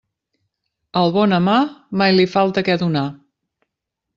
Al bon amar mai li falta què donar.